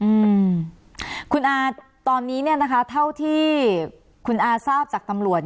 อืมคุณอาตอนนี้เนี้ยนะคะเท่าที่คุณอาทราบจากตำรวจ